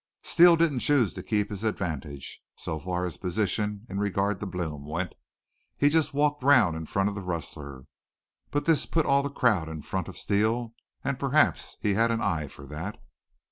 "Steele didn't choose to keep his advantage, so far as position in regard to Blome went. He just walked round in front of the rustler. But this put all the crowd in front of Steele, an' perhaps he had an eye for that.